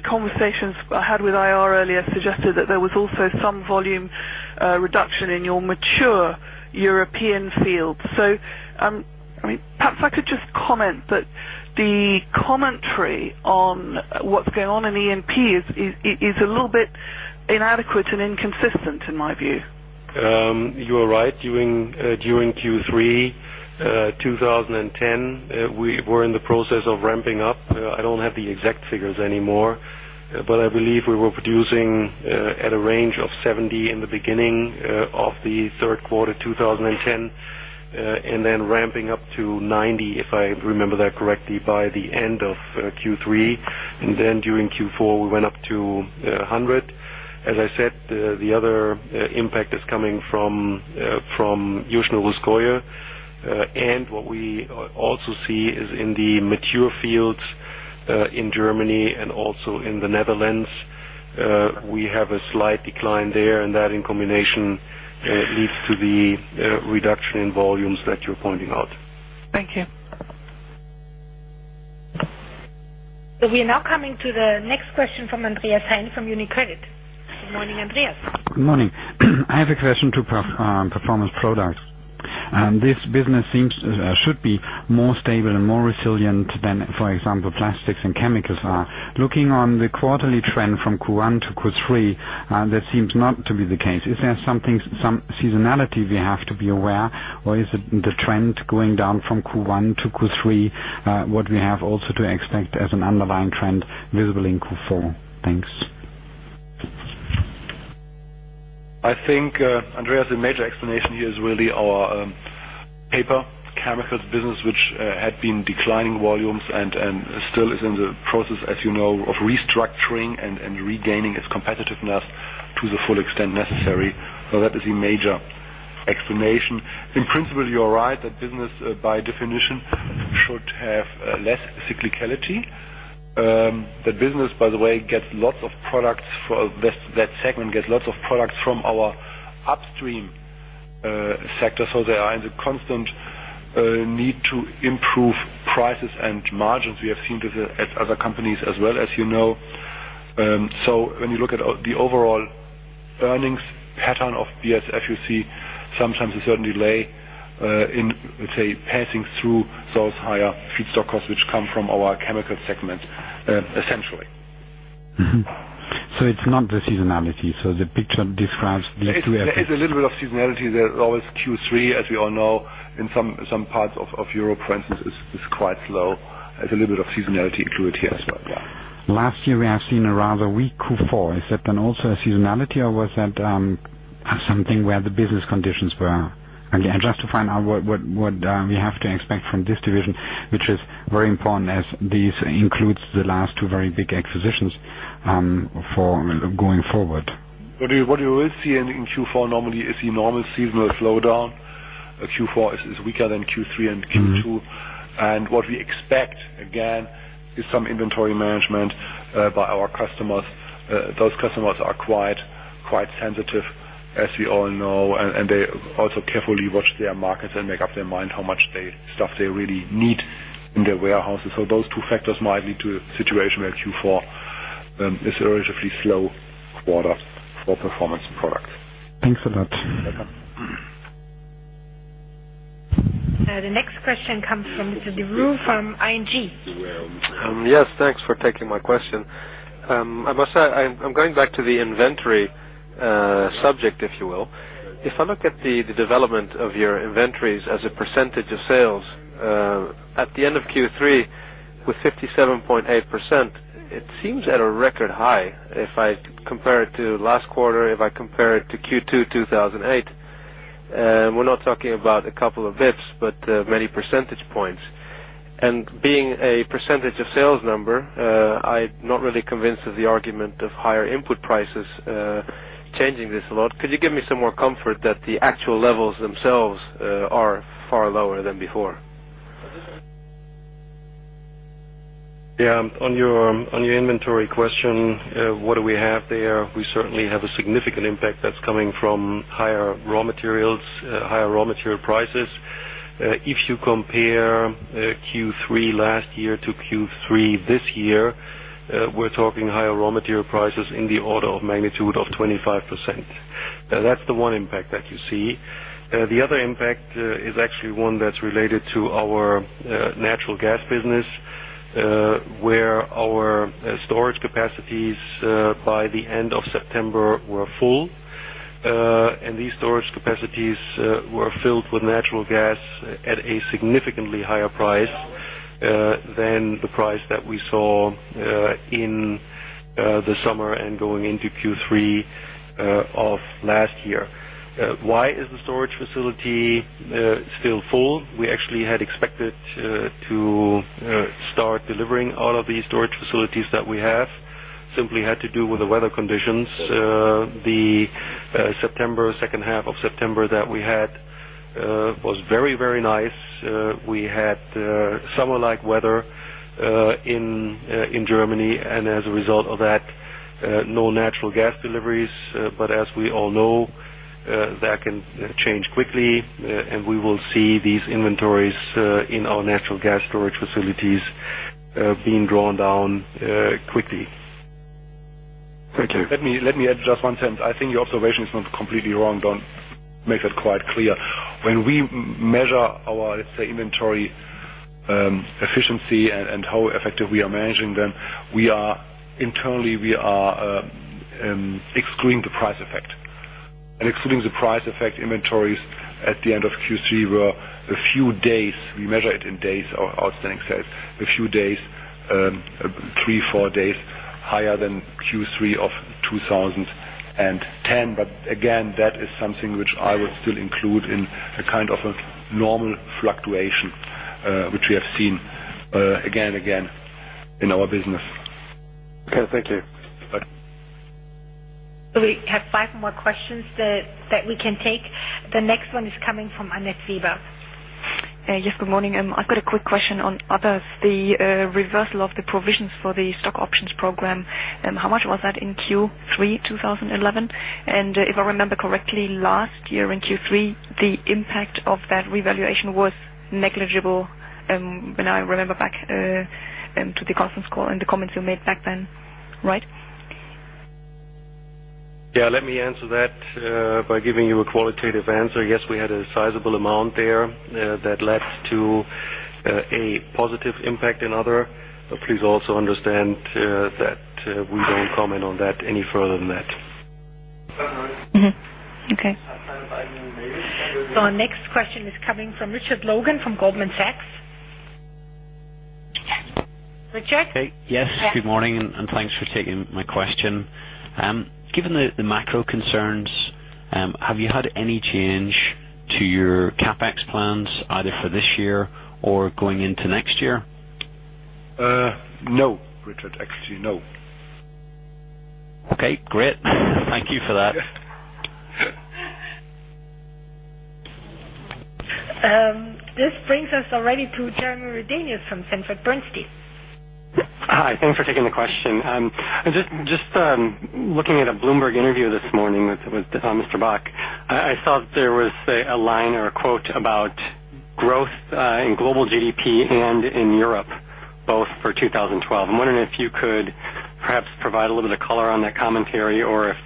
Conversations I had with IR earlier suggested that there was also some volume reduction in your mature European field. Perhaps I could just comment that the commentary on what's going on in E&P is a little bit inadequate and inconsistent in my view. You are right. During Q3 2010, we were in the process of ramping up. I don't have the exact figures anymore, but I believe we were producing at a range of 70% in the beginning of the third quarter, 2010, and then ramping up to 90%, if I remember that correctly, by the end of Q3. During Q4, we went up to 100%. As I said, the other impact is coming from Yuzhno-Russkoye. What we also see is in the mature fields in Germany and also in the Netherlands, we have a slight decline there, and that in combination leads to the reduction in volumes that you're pointing out. Thank you. We are now coming to the next question from Andreas Heine from UniCredit. Good morning, Andreas. Good morning. I have a question on Performance Products. This business seems should be more stable and more resilient than, for example, plastics and chemicals are. Looking on the quarterly trend from Q1 to Q3, that seems not to be the case. Is there something, some seasonality we have to be aware, or is it the trend going down from Q1 to Q3, what we have also to expect as an underlying trend visible in Q4? Thanks. I think, Andreas, the major explanation here is really our Paper chemicals business, which had been declining volumes and still is in the process, as you know, of restructuring and regaining its competitiveness to the full extent necessary. That is a major explanation. In principle, you are right, that business, by definition, should have less cyclicality. That business, by the way, gets lots of products, that segment gets lots of products from our upstream sector. They are in the constant need to improve prices and margins. We have seen this at other companies as well as you know. When you look at the overall earnings pattern of BASF, you see sometimes a certain delay in, say, passing through those higher feedstock costs, which come from our chemical segment, essentially. It's not the seasonality. The picture describes the two effects. It's a little bit of seasonality. There is always Q3, as we all know, in some parts of Europe, for instance, is quite slow. There's a little bit of seasonality included here as well, yeah. Last year, we have seen a rather weak Q4. Is that then also a seasonality or was that something where the business conditions were? Again, just to find out what we have to expect from this division, which is very important as this includes the last two very big acquisitions for going forward. What you will see in Q4 normally is the normal seasonal slowdown. Q4 is weaker than Q3 and Q2. What we expect, again, is some inventory management by our customers. Those customers are quite sensitive, as we all know, and they also carefully watch their markets and make up their mind how much stuff they really need in their warehouses. Those two factors might lead to a situation where Q4 is a relatively slow quarter for performance and products. Thanks a lot. Welcome. The next question comes from Mr Jan Hein de Vroe from ING. Yes, thanks for taking my question. I must say I'm going back to the inventory subject, if you will. If I look at the development of your inventories as a percentage of sales, at the end of Q3, with 57.8%, it seems at a record high. If I compare it to last quarter, if I compare it to Q2, 2008, we're not talking about a couple of bits, but many percentage points. Being a percentage of sales number, I'm not really convinced of the argument of higher input prices changing this a lot. Could you give me some more comfort that the actual levels themselves are far lower than before? Yeah, on your inventory question, what do we have there? We certainly have a significant impact that's coming from higher raw materials, higher raw material prices. If you compare Q3 last year to Q3 this year, we're talking higher raw material prices in the order of magnitude of 25%. That's the one impact that you see. The other impact is actually one that's related to our natural gas business, where our storage capacities by the end of September were full. These storage capacities were filled with natural gas at a significantly higher price than the price that we saw in the summer and going into Q3 of last year. Why is the storage facility still full? We actually had expected to start delivering out of these storage facilities that we have. It simply had to do with the weather conditions. The second half of September that we had was very, very nice. We had summer-like weather in Germany, and as a result of that, no natural gas deliveries. As we all know, that can change quickly, and we will see these inventories in our natural gas storage facilities being drawn down quickly. Thank you. Let me add just one sentence. I think your observation is not completely wrong. Do make that quite clear. When we measure our, let's say, inventory efficiency and how effective we are managing them, we are internally excluding the price effect. Excluding the price effect, inventories at the end of Q3 were a few days—we measure it in days of our outstanding sales—a few days, three, four days higher than Q3 of 2010. Again, that is something which I would still include in a kind of a normal fluctuation, which we have seen again and again in our business. Okay, thank you. Bye. We have five more questions that we can take. The next one is coming from Annette Weber. Yes, good morning. I've got a quick question on other. The reversal of the provisions for the stock options program, how much was that in Q3 2011? If I remember correctly, last year in Q3, the impact of that revaluation was negligible, when I remember back to the consensus call and the comments you made back then, right? Yeah, let me answer that by giving you a qualitative answer. Yes, we had a sizable amount there that led to a positive impact in other. Please also understand that we don't comment on that any further than that. Mm-hmm. Okay. Our next question is coming from Richard Logan, from Goldman Sachs. Richard? Yes, good morning, and thanks for taking my question. Given the macro concerns, have you had any change to your CapEx plans either for this year or going into next year? No, Richard. Actually, no. Okay, great. Thank you for that. This brings us already to Jeremy Redenius from Sanford C. Bernstein. Hi, thanks for taking the question. Just looking at a Bloomberg interview this morning with Mr. Bock, I saw that there was a line or a quote about growth in global GDP and in Europe, both for 2012. I'm wondering if you could perhaps provide a little bit of color on that commentary or if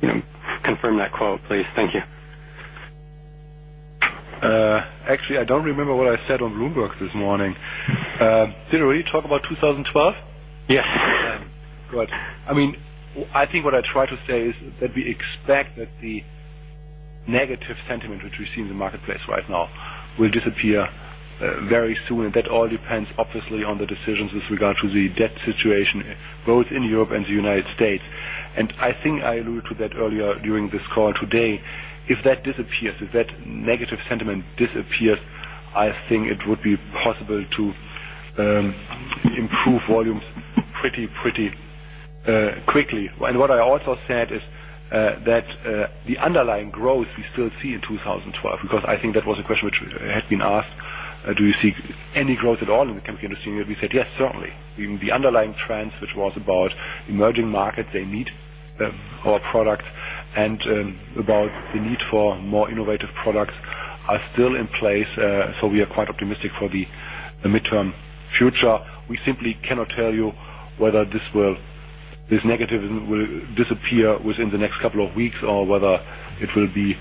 you know, confirm that quote, please. Thank you. Actually, I don't remember what I said on Bloomberg this morning. Did I really talk about 2012? Yes. Good. I mean, I think what I tried to say is that we expect that the negative sentiment which we see in the marketplace right now will disappear very soon. That all depends, obviously, on the decisions with regard to the debt situation, both in Europe and the United States. I think I alluded to that earlier during this call today. If that disappears, if that negative sentiment disappears, I think it would be possible to improve volumes pretty quickly. What I also said is that the underlying growth we still see in 2012, because I think that was a question which had been asked, "Do you see any growth at all in the chemical industry?" We said, "Yes, certainly." The underlying trends, which was about emerging markets, they need our products, and about the need for more innovative products are still in place. We are quite optimistic for the midterm future. We simply cannot tell you whether this will, this negativism will disappear within the next couple of weeks or whether it will be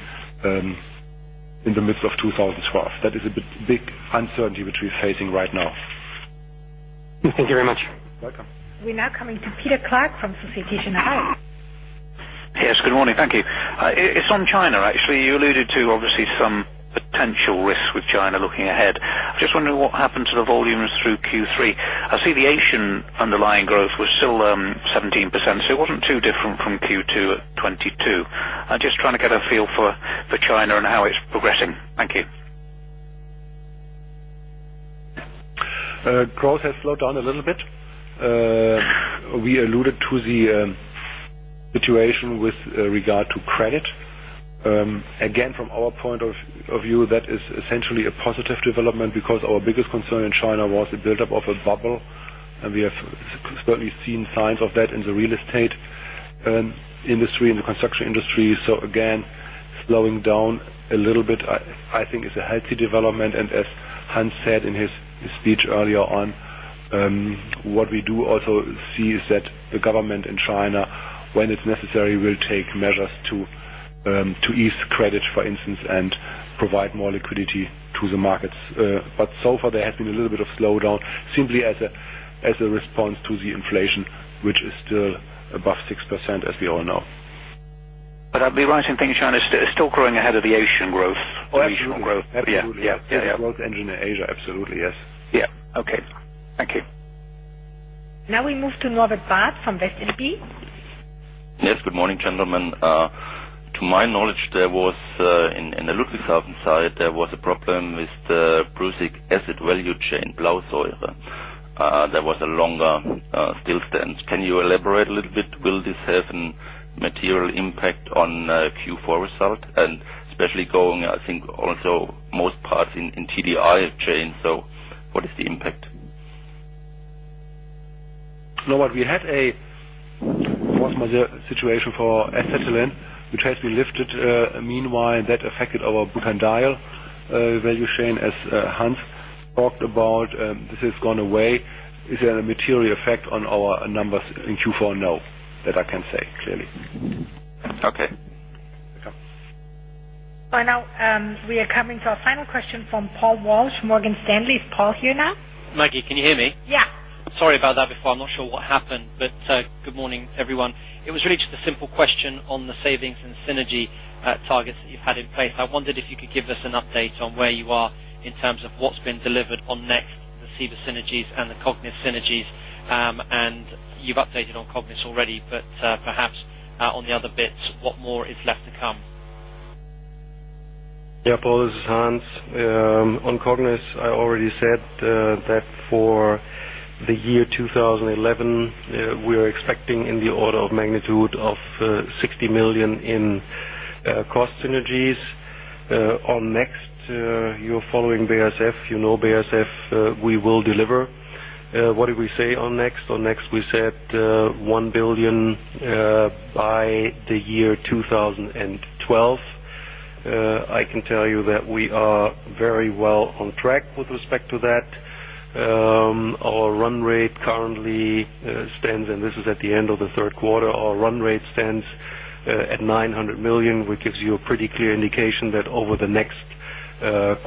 in the midst of 2012. That is a big uncertainty which we're facing right now. Thank you very much. Welcome. We're now coming to Peter Clark from Société Générale. Yes, good morning. Thank you. It's on China, actually. You alluded to obviously some potential risks with China looking ahead. Just wondering what happened to the volumes through Q3. I see the Asian underlying growth was still 17%, so it wasn't too different from Q2 at 22%. I'm just trying to get a feel for China and how it's progressing. Thank you. Growth has slowed down a little bit. We alluded to the situation with regard to credit. Again, from our point of view, that is essentially a positive development because our biggest concern in China was the buildup of a bubble, and we have certainly seen signs of that in the real estate industry, in the construction industry. Again, slowing down a little bit I think is a healthy development. As Hans Engel said in his speech earlier on, what we do also see is that the government in China, when it's necessary, will take measures to ease credit, for instance, and provide more liquidity to the markets. So far there has been a little bit of slowdown simply as a response to the inflation, which is still above 6%, as we all know. I'd be right in thinking China's still growing ahead of the Asian growth- Oh, absolutely. Regional growth. Absolutely. Yeah, yeah. It is the growth engine in Asia. Absolutely, yes. Yeah. Okay. Thank you. Now we move to Norbert Barth from WestLB. Yes. Good morning, gentlemen. To my knowledge, there was in the Ludwigshafen site a problem with the prussic acid value chain, Blausäure. There was a longer Stillstand. Can you elaborate a little bit? Will this have a material impact on Q4 result? Especially going, I think, also most parts in the TDI chain. What is the impact? Norbert, we had a force majeure situation for acetylene, which has been lifted meanwhile. That affected our butanediol value chain, as Hans talked about. This has gone away. Is it a material effect on our numbers in Q4? No, that I can say clearly. Okay. Welcome. Now, we are coming to our final question from Paul Walsh, Morgan Stanley. Is Paul here now? Stefanie Wettberg, can you hear me? Yeah. Sorry about that before. I'm not sure what happened. Good morning, everyone. It was really just a simple question on the savings and synergy targets that you've had in place. I wondered if you could give us an update on where you are in terms of what's been delivered on next, the Ciba synergies and the Cognis synergies. You've updated on Cognis already, but perhaps on the other bits, what more is left to come? Yeah, Paul, this is Hans. On Cognis, I already said that for the year 2011, we are expecting in the order of magnitude of 60 million in cost synergies. On next, you're following BASF. You know BASF, we will deliver. What did we say on next? On next, we said 1 billion by the year 2012. I can tell you that we are very well on track with respect to that. Our run rate currently stands at EUR 900 million, and this is at the end of the third quarter, which gives you a pretty clear indication that over the next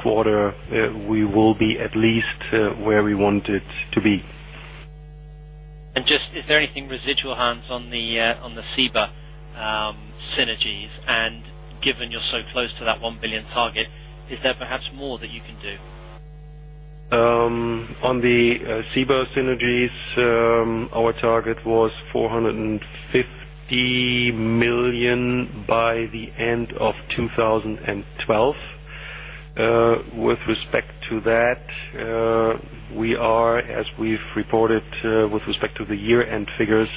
quarter, we will be at least where we wanted to be. Just, is there anything residual, Hans, on the Ciba- Perhaps more than you can do. On the Ciba synergies, our target was 450 million by the end of 2012. With respect to that, we are, as we've reported, with respect to the year-end figures,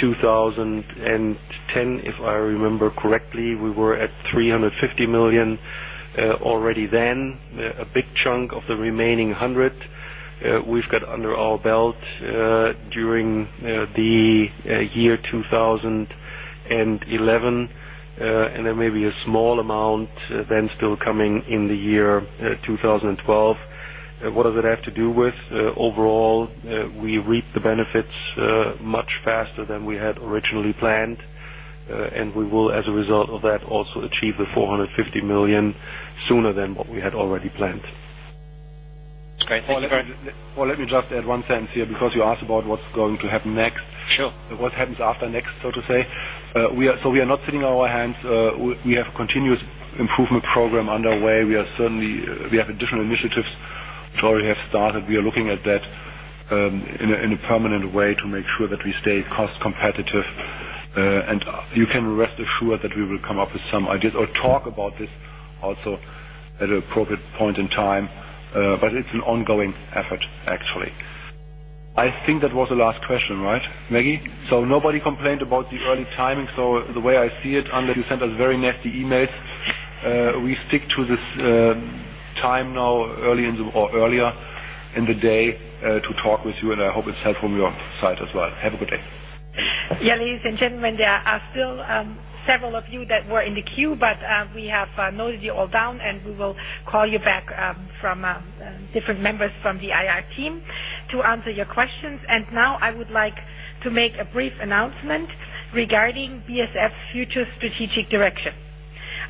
2010, if I remember correctly, we were at 350 million already then. A big chunk of the remaining 100, we've got under our belt during the year 2011, and there may be a small amount then still coming in the year 2012. What does it have to do with? Overall, we reap the benefits much faster than we had originally planned, and we will, as a result of that, also achieve the 450 million sooner than what we had already planned. Great. Thank you. Let me just add one sentence here because you asked about what's going to happen next. Sure. What happens after next, so to say. We are not sitting on our hands. We have continuous improvement program underway. We are certainly. We have additional initiatives which already have started. We are looking at that, in a permanent way to make sure that we stay cost competitive. You can rest assured that we will come up with some ideas or talk about this also at an appropriate point in time. It's an ongoing effort, actually. I think that was the last question, right, Maggie? Nobody complained about the early timing. The way I see it, unless you sent us very nasty emails, we stick to this time now early in or earlier in the day to talk with you, and I hope it's helpful on your side as well. Have a good day. Yeah, ladies and gentlemen, there are still several of you that were in the queue, but we have noted you all down, and we will call you back from different members from the IR team to answer your questions. Now I would like to make a brief announcement regarding BASF future strategic direction.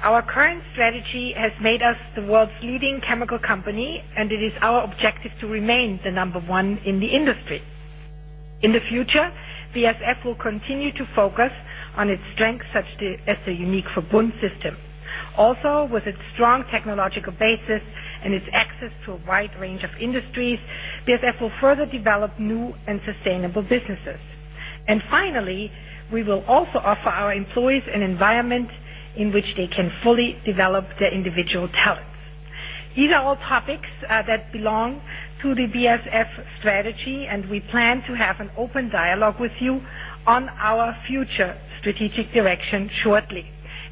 Our current strategy has made us the world's leading chemical company, and it is our objective to remain the number one in the industry. In the future, BASF will continue to focus on its strength, as the unique Verbund system. Also, with its strong technological basis and its access to a wide range of industries, BASF will further develop new and sustainable businesses. Finally, we will also offer our employees an environment in which they can fully develop their individual talents. These are all topics that belong to the BASF strategy, and we plan to have an open dialogue with you on our future strategic direction shortly.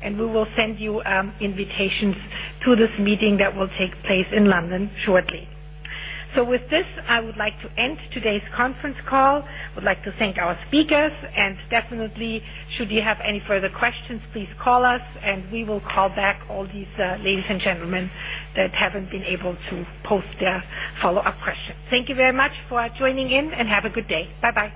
We will send you invitations to this meeting that will take place in London shortly. With this, I would like to end today's conference call. I would like to thank our speakers and definitely should you have any further questions, please call us and we will call back all these ladies and gentlemen that haven't been able to post their follow-up questions. Thank you very much for joining in, and have a good day. Bye-bye.